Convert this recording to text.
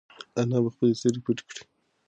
انا خپلې سترگې پټې کړې.